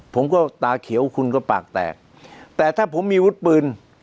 ผมก็ตาเขียวคุณก็ปากแตกแต่ถ้าผมมีวุฒิปืน